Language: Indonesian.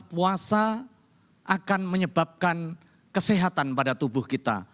puasa akan menyebabkan kesehatan pada tubuh kita